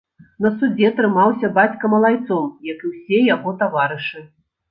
На судзе трымаўся бацька малайцом, як і ўсе яго таварышы.